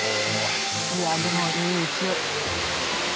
いやあでもいい勢い。